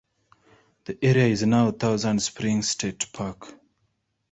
The area is now Thousand Springs State Park.